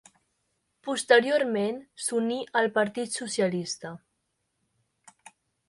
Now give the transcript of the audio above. Posteriorment s'uní al Partit Socialista.